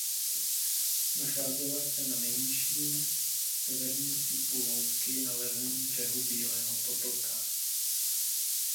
Nacházela se na nejnižším severním cípu louky na levém břehu Bílého potoka.